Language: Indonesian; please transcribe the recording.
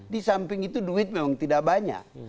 di samping itu duit memang tidak banyak